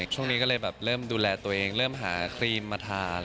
ช่วงนี้ก็เลยแบบเริ่มดูแลตัวเองเริ่มหาครีมมาทาน